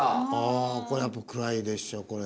ああこれやっぱ暗いでしょこれ。